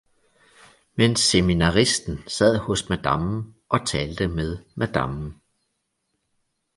Men seminaristen sad hos madammen og talte med madammen.